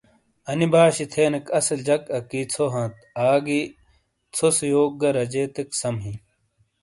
انی باشی تھینیک اصل جک اکی ژھو ہانت آگی ژھو سے یوک گہ رجیتیک سم ہِیں